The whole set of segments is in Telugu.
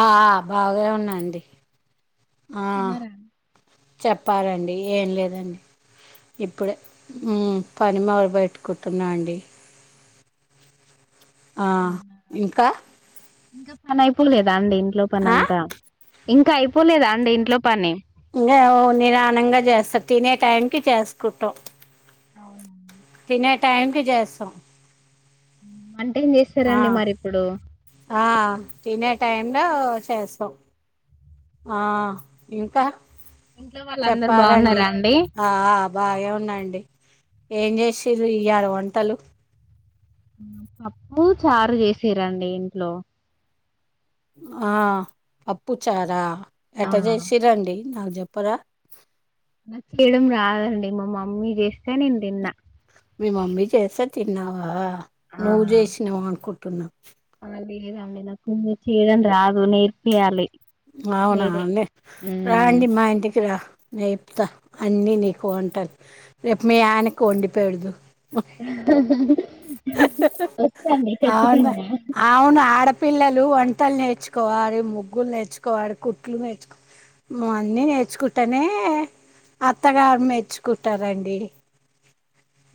ఆ బాగా ఉన్నాయి అండి ఆ చెప్పాలండి ఏం లేదండి ఇప్పుడే పని మొదలు పెట్టుకుంటున్నా అండి ఆ ఇంకా ఇంకా పని అయిపోలేదా అండి ఇ లో ఆ పనంతా ఇంకా అయిపోలేదా అండి ఇంట్లో పని ఇంగ నిదానంగా చేస్తా తినే టైం కి చేసుకుటాం తినే టైంకి చేస్తాం అంటే ఏం ఆ చేస్తారండి మరి ఇప్పుడు ఆ తినే టైమ్‌లో చేస్తాం ఆ ఇంకా ఇంట్లో వాళ్ళందరు చెప్పారండి బాగున్నారా అండి ఆ బాగే ఉన్నాండి ఏం చేషిరు ఇయాలా వంటలు పప్పు చారు చేసిరండి ఇంట్లో ఆ పప్పుచారా ఎట్ట జేషిరండి నాగ జపర న చేయడం రాదండి మా మమ్మీ చేస్తే నేను తిన్నా మీ మమ్మీ చేస్తే తిన్నావా నువ్వు ఆ చేసినవ అనుకు తున్నా లేదండి నాకు చేయడం రాదు నేర్పియాలి అవునా మీరే అండి రా అండి మా ఇంటికి రా నేపుతా అన్నీ నీకు వంటలు రేపు మీ ఆయనకు వండిపోడదు వస్తాండి అవును ఖచ్చితంగా అవును ఆడపిల్లలు అం ట్టలు నేర్చువాలి ముగ్గులు నేర్చుకో కోడు కుట్లు మేర్చుకు అన్నీ నేర్చుకుంటానే అత్తగారు మేర్చుకుంటారండి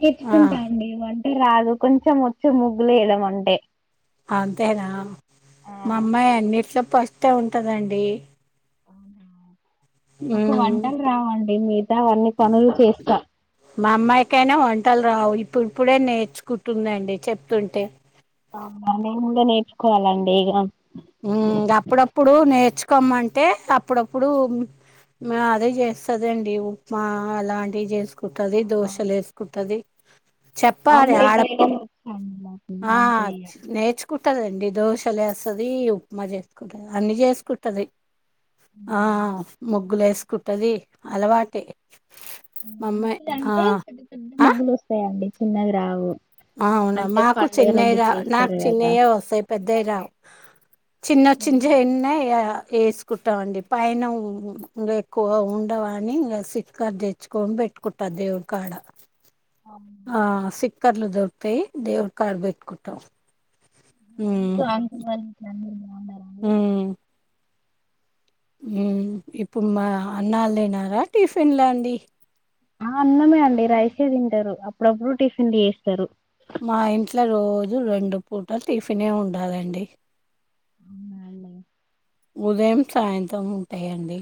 నర్చకుంటా అండీ వ రాదు కొంచెం వచ్చి ముగ్గులు వేయాదం అంటే ఆంతేనా ఆ మామ్మమై అనిట్లో ఫస్టే ఉంటదండి అవునా ఒక ఉమ్ వంటలు రావండి ఎన్ని తావన్నీ పనులు చేస్తా మా అమ్మాయికైనా వంటలు రావు ఇప్పుడుప్పుడే నేర్చుకుంటుందండి చెప్తుంటే నంద నేర్చుకోవాలండి ఇగా మ్ అప్పుడప్పుడు నేర్చుకోమంటే అప్పుడప్పుడు అదే చేస్తదండి ఉప్మా అలాంటివి చేసుకో కుంటది దోషలు వేసుకుంటది చెప్పాలి ఆమ్లెట్ ఆడ [inaudible] కుట్టదండి దోశలే ఎస్టా అది ఉప్మా చేసుకుంటది అన్ని చేసుకుంటది ఆ ముగ్గులేసు కుట్టది అలవాటే మా అమ్మాయి ముగ్గులు ఆ అంటే పెద్ద పెద్ద ముగ్గులు వస్తాయండి చిన్నగా రావు అవునా అంటే మాకు పండుగలకు చిన్నవి రా గిట్ల నాకు ఏస్తారు కదా చిన్నయే వస్తాయి పెద్దయ రావు చిన్న చిన్న చిన్న అ వేసుకుంటాండి పైన ఇంకా ఎక్కువ ఉండవని ఇంకా సిట్కారు తెచ్చుకొని పెట్టుకుంటా దేవుడికాడ అవు కర్లు దొరుతయి దేవుడ్ కడా బెట్ కుట్ట [unintelligible] మ్ ఇప్పుడు మా అన్నాలు తినారా టిఫిన్ లాండి ఆ అన్నమే అండి రైసే తింటారు అప్పుడప్పుడు టిఫిన్ తీయేస్తారు ఇట్లా రోజు రెండు పూటలు టిఫిన్ ఉండాలండి అవనండి ఉదయం సాయంత్రం ఉంటాయండి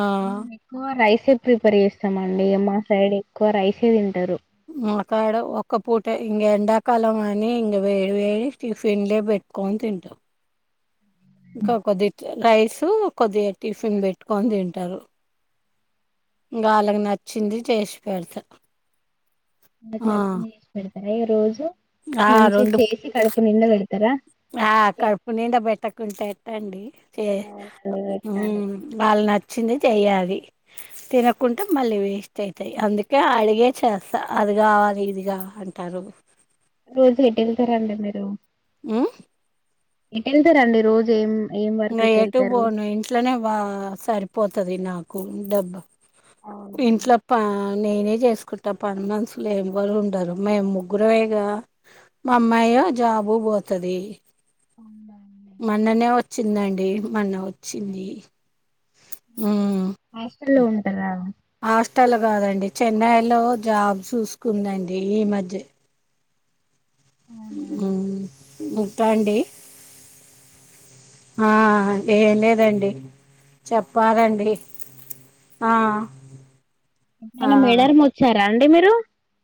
ఆ ఎకువ రై రైసే ప్రిపేర్ చేస్తామ అండి మా సైడ్ ఎక్కువ రైసే తింటారు మాకాడు ఒక్క పూట ఇంక ఎండాకాలం అని ఇంక వేడి వేడి టిఫిన్లే పెట్టుకొని తింటాం. కా కొద్దిట్ రైస్ కొద్దిగా టిఫిన్ పెట్టుకొని తింటారు అళ్లకి నచ్చింది చేసి పెడత [unintelligible] ఈరోజు ఆ మంచిది రెండు చేసి కడుపు నిండా పె ఆ కడుపునిండా బెట్ట కుంటే టండి అవునండి పెట్టాలి మ్ వాళ్ళనాచ్చ వచ్చింది చేయాలి తినకుంటే మళ్ళ వేస్ట్ అవుతాయి అందు అడిగే వస్తా అది కావాలి ఇదిగా అంటారు రోజు ఎటు వెళ్తారండి ఆ ఇకెళ్తారండి రోజు ఏం ఏం వర్క్ ఇంకా ఎటు కెళ్తారు బోను ఇంట్లోనే బా సరిపోతుది నాకు నాకు డబ్బ ఇంట్లో పా నేనే చేసుకుంటా పని మనుసులు ఎవరు ఉండరు, మేము ముగ్గురమేగా, మా అమ్మాయ జాబు పోతది అవునా అండి మన్ననే వచ్చిందండి మొన్న వచ్చింది ఉమ్ హాస్టల్లో ఉంటారా ట్టలు కాదండి చెన్నై లో జాబ్ చూసుకుందండి ఈ మధ్య హ్మ్మ్ ఉంటా అండి ఆ ఏం లేదండి చెప్పాలండి ఆ నేను మేడారం పోతున్న ఎ అండి మీరు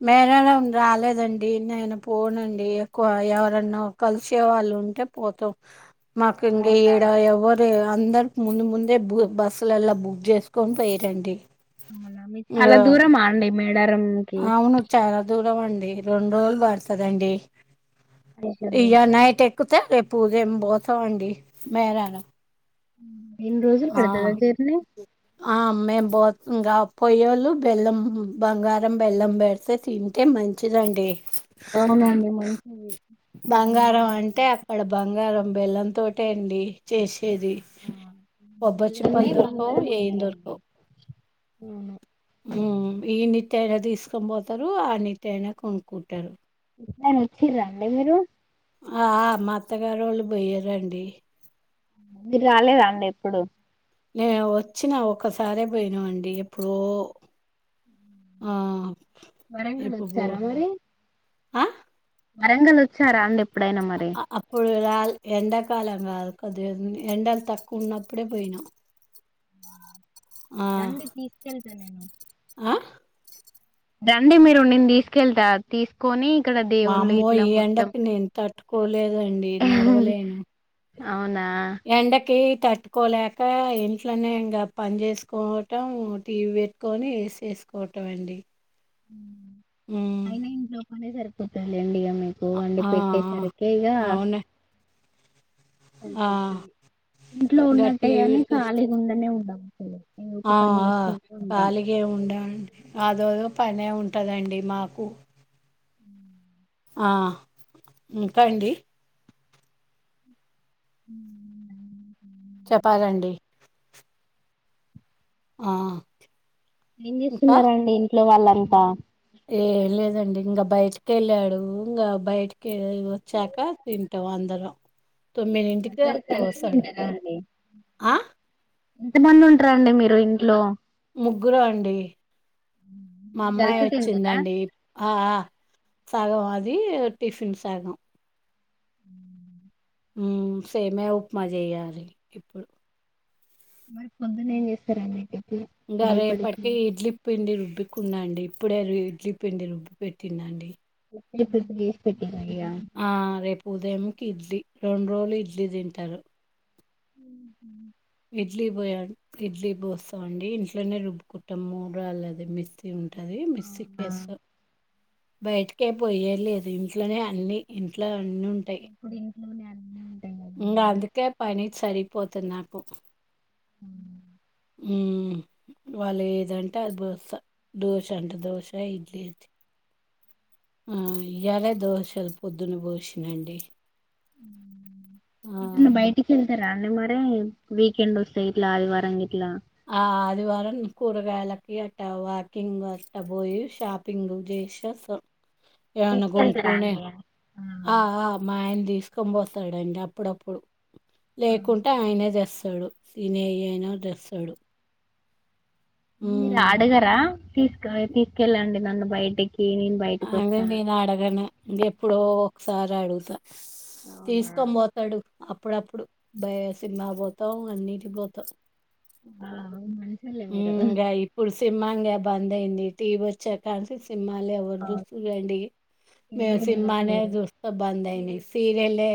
మేరడం రాలేదండి నేను పోనండి ఎక్కువ ఎవరన్నా కలిసే వాళ్ళు ఉంటే పోతాం మాకు ఇం ఏడా ఎవ్వరు అందరికి ముందు ముందే బస్సులలా బుక్ చేసుకొని పోయిరండి అవునా మీ చాలా ఇంగా దూరం ఆడి మీ మేడారంకి అవును చాలా దూరం అండి రెండు రోజులు పడుతుందండి అయ్యో ఇయా నైటక్ ఎక్కితే రేపు ఉదయం పోతామండి మేడారం ఇన్ని రోజులు ఆ పడుతద జర్నీ ఆ మేము బ ఇంకా పొయ్యోలు బెల్లం బంగారం బెల్లం పెడితే తింటే మంచిదండి అవునండి మంచిది బంగారం అంటే అక్కడ బంగారం బెల్లం తోటే అండి చేసి ఏది ఆ కొబ్బరి చిప్పలు బిల్లాన్నే దొరకవు బంగారం ఏమ్ అంటారండి దొరకవు అవును ఈనే ఇస్తే తీసుకొని పోతారు అయినా ఇస్తే ఆయన కొనుక్కుంటారు ఎప్పుడైనా వచ్చిర్ర రండి మీరు ఆ ఆ మా అత్తగారు వాళ్ళు పోయ్యారండి మీరు రాలేద అండి ఎప్పుడు నేను వచ్చినా ఒక్కసారే పోయినామండి ఎప్పుడో ఆ వరంగల్ ఇప్పుడు పో వచ్చారా మరి ఆ వరంగల్ వచ్చారా అండి ఏ అ అప్పుడు కాదు ఎండాకాలం కాదు కొద్ది ఎండలు తక్కువ ఉన్నప్పుడే పోయినాం ఆ రండి తీసుకెళ్తా నేను ఆ రండి మీరు నేను తీసుకెళ్తా తీసుకొని ఇక్కడ దేవుళ్ళు వామ్మో ఇట్లా ఈ మొత్తం ఎండకి నేను తట్టుకోలేదండి నడవలేను అవునా ఎండకి తట్టుకోలేక ఇంట్లోనే ఇంకా పని చేసుకోవటం టీవీ పెట్టుకొని ఎసి ఏసుకోడమే అండి ఉ ఉమ్ అయినా ఇంట్లోపనే సరి పోత లెండి ఇగ మీకు వండి ఆ పెట్టేసరికే ఇక ఆ అవునా ఆ సరిపోతుంది ఇంట్లో ఇంకా ఉన్నట్టే టీవీ గాని చూ ఖాళీగా ఉండనే ఉండము ఆ... కాలిగా ఉండ అండి అదో ఇదో పని బాగానే ఉంటదండి మాకు [unintelligible] ఆ ఇంకాండి [inaudible] చెప్పాలండి ఆ ఏం చేస్తున్నారండి ఇం ట్లో వాళ్ళంతా ఏ లేదండి ఇంగ. బ్ బయటకి వెళ్ళాడు ఇంగా బయటికి కే లి వచ్చాకా తింటాం అందరం [inaudible] తొమ్మిదింటికి అందరు కలిసి అట్లవస్తాడు తింటారా అండి ఆ ఎంత మంది ఉంటరండి మీరు ఇంట్లో ముగ్గురం అండి మా అమ్మాయి కలిసి తింటారా వచ్చిందండి ఆ సగం అది టిఫన్ సగం ఉ ఉ సేమయ ఉప్మా చేయాలి ఇప్పడు మరి పొద్దునే ఏం చేస్తారు అండీ టి ఇంగా రేపటికీ ఇడ్లి పిండి రు రుబ్బకున్నాండి ఇప్పుడే ఇడ్లీ పిండి రుబ్బి పెట్టిన అండి ప్ర పె [unintelligible] ఆ రేప ఉదయంకి ఇడ్లీ రెండు రోజులు ఇడ్లీ తింటారు ఉహు ఇడ్లీ బయ ఇడ్లీ పోస్తా అండి ఇంట్లోనే రుబ్బుకుంటాం మూడు అల్లది మిక్సీ ఉంటా అంటది మిక్సీ కేేస్త బయటకే పోయ లేదు ఇంట్లోనే అన్ని ఇంట్ల అన్నీ ఉంటాయి అవునా అండీ సరి పోతది నాకు అ ఉమ్ వాళ్ళు ఏదంటే అది దోశ దోశ అంటే దోశ ఇడ్లీ అది ఆ ఇయ్యాలే దోశలు పొద్దున్న బోషినండి ఇటన్న బయటికెల్ తార అండి మరే వీకెండ్ వస్తే గిట్లా ఆదివారంగిట్లా ఆ ఆదివారం కూరగాయలకి అట్ట వాకింగ్ అట్ట పోయి షాపింగ్ చేసే వస్తమ్ ఎమన్న కొనుకునే ఆ ఆ మా ఆయన తీసుకొని పోతాడండి అప్పుడప్పుడు లేకుంటే ఆయనే చేస్ స్తాడు తినేయాయినా తెస్తాడు మీరు ఉమ్ ఆడుగారా తీసుకవే తీసుకెళ్ళండి నన్ను బయటి అదే నేను అడగాను గేప్పుడో సారాడుగుతా తీసుకొనిపోతడు అప్పుడప్పుడు భయ్ సినిమాక్ పోతాం అన్నిటికి పోతాం ఆ మంచోళ్ళే మీరు సింహంగే బంద్ అయింది టీవీ వచ్చేకంచి సింహాలియా దుస్తులండి మే ఎవరు సినిమానే వెళ్ళట్లేరు చుస్త బంద్ అయింది సీరియల్ ఎ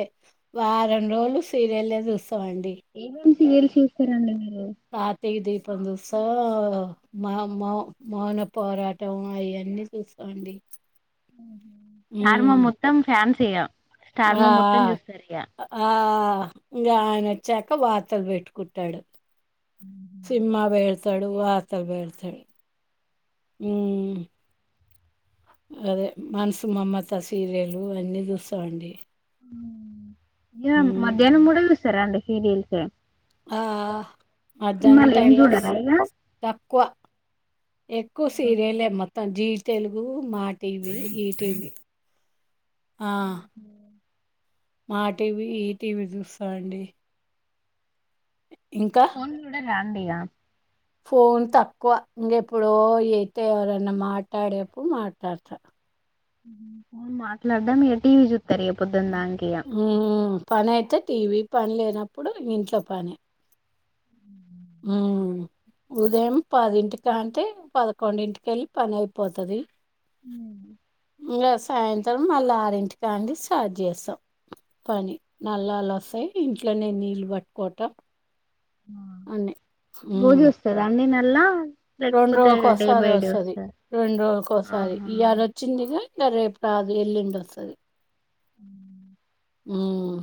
వారం రోజులు సీరియల్ ఎ చూస్ స్తామండి లు చూస్తారండి మీర్ అ తికదీపం చూస్తా మహ మౌ మౌన పోరాటం అయన్నీ చూస్త అండి స్టార్మా మొత్తం ఫ్యాన్స్ ఇగ ఆ స్టార్మా మొత్తం చూస్తారు ఇగ ఆ ఇంగ ఆయన వచ్చాక వార్తలు పెట్టుకుంటాడు సిన్మా పేడ్ తాడు వార్తా పెడుతాడు హు అదే మనసు మమత సీరియలు అన్నీ చూస్త అండి ఇగ మధ్యాహ్నం మూడ చుస్ స్తర అండి సీరియల్స్ ఆ ఆ మధ్యాహ్నం సినిమాలు ఏం టైమ్ లో స్ చూడరా ఇగ తక్కువ ఎక్కువ సీరియలే మొత్తం G Telugu Maa TV ETV ఆ అ మా టీవీ ఈ టీవీ చూస్తా అండి ఇంకా రా అండి ఇగ ఫోన్ తక్కువ ఇంగేప్పుడో అయితే ఎవరన్నా మాట్లాడేప్పుడు మాట్లాడ్త మాట్లాడద మీరు టీవ చూస్తారు పొద్దు ఊ పని అయితే టీవీ పని లేనప్పుడు ఇంట్లో పని ఉ ఉదయం పదింటికా అంటే పదకొండింటిక వెళ్ళి పని అయిపోతది ఉ ఇంకా సాయంత్రం మళ్ళీ ఆరింటికి అండి స్టార్ట్ చేస్తాం పని నల్లళ్లు వస్తాయి ఇంట్లోనే నీళ్ళు పట్టుకోటాం రోజ మ్మ్ వస్తారు అందుే నా అలా రెండు రోజుకసారి వస్తది రెండు రోజుకోసారి ఆహా ఈ ఆరు వచ్చిందిగా ఇ రేపుడు అదు ఎల్లుండి వస్తది అ హుమ్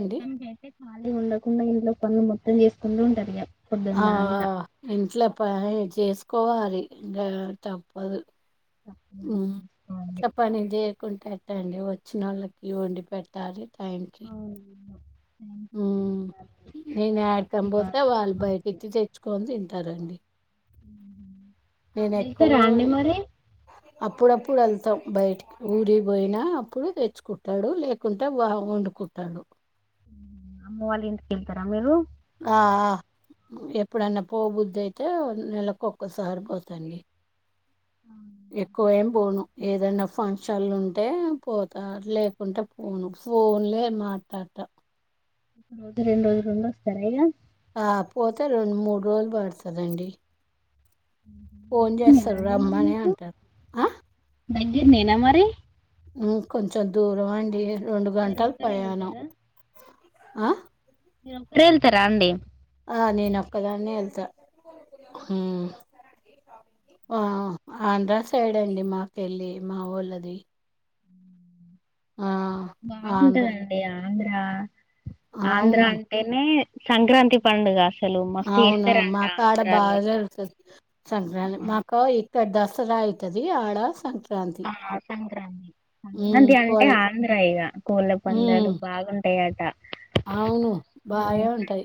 మొత్తం తే ఖాళీ ఉండకుండా ఇంట్లో పనులు మొత్తం చేసుకుంటూ ఉంటారు ఇక ఆ ఇంట్లో ప చేసు కోవారి ఇంగ తప్పదు చప్పనిద కుంటేట్టండి వచ్చిన వాళ్ళకి వండి పెట్టాలి థ్యాంక్ యూ ఉమ్ నేను ఏడి కన్నా పోతే వాళ్ళు బయటికి తెచ్చుకుని తింటారు తింటారండి నేను ఎక్కువ వెళ్తారా అండి మరి అప్పుడప్పుడు వెళ్తాం బయటికి ఊరి పోయినా అప్పుడు తెచ్చుకుంటాడు లేకుంటె వ వండుకుంటాడు అమ్మ వాళ్ళ ఇంటికి వెళ్తారా మీరు ఆ ఎప్పుడన్నా పో బుద్ధి అయితే నెలకొకసారి పోతాం ఎక్కువ ఏం పోను ఏదైనా ఫంక్షన్లు ఉంటే పోతా లేకుంటే పోను ఫోన్లే మాట్లాడత ఒక రెండు రోజులు ఉండి వస్తారా ఇగ ఆ పోతే రెండు మూడు రోజులు పడుతుదండి ఫోన్ దగ్గరనేనా చేస్తారు రమ్మనే అంటారు ఆ దగ్గర నేనా మరి కొంచెం దూరమండి రెండు గంటలు పయనం ఆ మీరు ఒక్కరె వెళ్తరా అండి ఆ నేన ఒక్కదాన్నే వెళ్తా ఆ ఆంధ్ర సైడ్ అండి మాకెళ్లి మా ఊళ్ళది ఆంధ్ర బాగుంటదండి ఆ ఆంధ్ర ఆంధ్ర అవును అంటేనే సంక్రాంతి పండుగా అవునా మాకు ఆడ బాగా జరుగుతుంది సంక్రాంతి మాకు ఇక్కడ దస్తరా అయితది ఆడ సంక్రా ఆ సంక్రాంతి ఉమ్ సంక్రాంతి అంటే కోల్ ఆంధ్రయిగా కోళ్ల పందాలు ఉమ్ బాగుంట టాయట అవును బాగే ఉంటాయి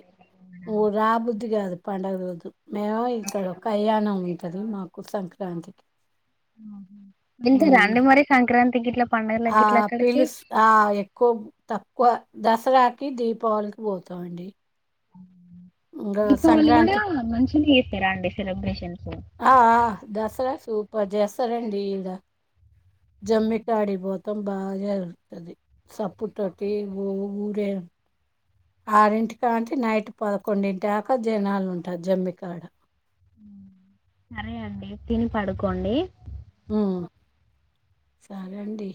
ఉ రాబుద్ధి కాదు పండుగ రోజు మేము ఇక్కడ కయ్యానం ఉంటది మాకు సంక్రాంతికి వెళ్తారా ఉమ్ అండి మరి సంక్రాం తి గిట్ల ఆ పిలుస్ ఆ ఎక్కువ తప్ వ దసరాకి దీపావళికి పోతాంఅండి దీపావళి కూడా మంచిగనే చేస్తారా అండి సెలబ్రేషన్స్ పర్ చేస్తారండి ఇడ జమ్మిికడిపోతాం బాగా జరుగుతుంది సప్పు తోటి ఊరే ఆరింటి కాంటి నైట్ పదకొండింటిదాక జనాలు ఉంటారు జమ్మి కాడ సరే అండి తిని పడుకోండి ఉమ్ సరేండి